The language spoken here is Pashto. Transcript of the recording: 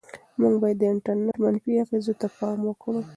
موږ باید د انټرنيټ منفي اغېزو ته پام وکړو.